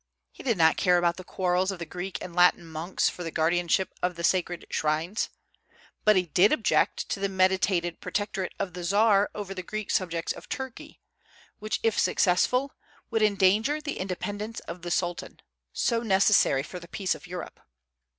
He did not care about the quarrels of the Greek and Latin monks for the guardianship of the sacred shrines; but he did object to the meditated protectorate of the Czar over the Greek subjects of Turkey, which, if successful, would endanger the independence of the Sultan, so necessary for the peace of Europe.